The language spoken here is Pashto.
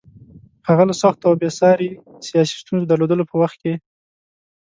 هغه له سختو او بې ساري سیاسي ستونزو درلودلو په وخت کې.